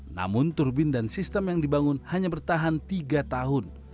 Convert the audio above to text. namun turbin dan sistem yang dibangun hanya bertahan tiga tahun